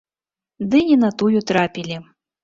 Ды не на тую трапілі.